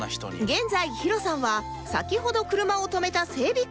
現在 ＨＩＲＯ さんは先ほど車を止めた整備